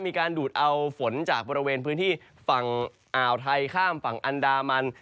มีการดูดเอาฝนจากบริเวณพื้นที่ฝั่งอ่าวไทยข้ามฝั่งอันดามัน